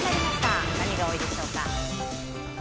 何が多いでしょうか。